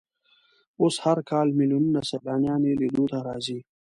اوس هر کال ملیونونه سیلانیان یې لیدو ته راځي.